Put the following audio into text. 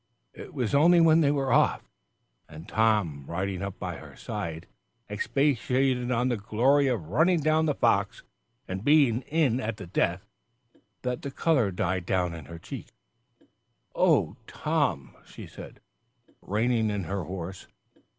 It was only when they were off, and Tom riding up by her side expatiated on the glory of running down the fox and "being in at the death," that the colour died down on her cheek. "Oh, Tom!" she said, reining in her horse.